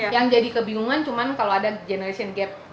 yang jadi kebingungan cuma kalau ada generation gap